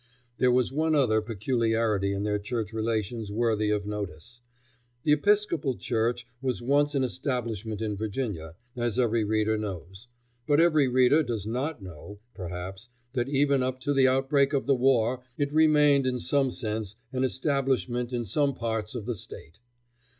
There was one other peculiarity in their church relations worthy of notice. The Episcopal Church was once an establishment in Virginia, as every reader knows, but every reader does not know, perhaps, that even up to the outbreak of the war it remained in some sense an establishment in some parts of the State.